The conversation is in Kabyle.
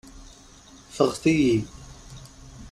Ffeɣt-iyi.